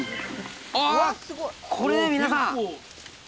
あこれ皆さん